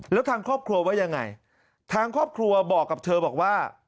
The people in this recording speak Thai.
แล้วทางครอบครัวว่ายังไงทางครอบครัวบอกกับเธอบอกว่า